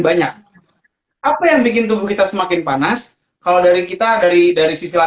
banyak apa yang bikin tubuh kita semakin panas kalau dari kita ada lidah disisilah